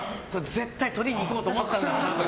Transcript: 絶対にとりに行こうと思っただろうなと。